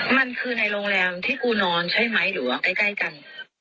มันคือในโรงแรมที่กูนอนใช่ไหมหรือว่าใกล้กัน